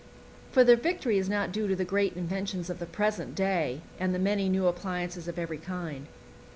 For the victory is not due to the great inventions of the present day and the many new appliances of every kind.